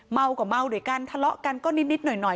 เมาก็เมาด้วยกันทะเลาะกันก็นิดหน่อย